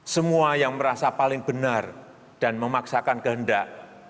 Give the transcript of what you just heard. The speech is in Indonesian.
semua yang merasa paling benar dan memaksakan kehendak